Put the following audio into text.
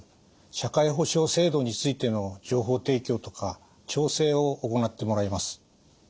社会保障制度についての情報提供とか調整を行ってもらいます。